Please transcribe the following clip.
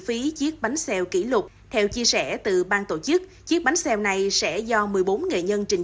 phí chiếc bánh xèo kỷ lục theo chia sẻ từ ban tổ chức chiếc bánh xèo này sẽ do một mươi bốn nghệ nhân trình